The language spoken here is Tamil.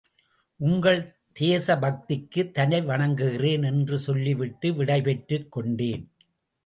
உங்கள் தேச பக்திக்கு தலை வணங்குகிறேன், என்று சொல்லிவிட்டு விடைபெற்றுக் கொண்டேன்.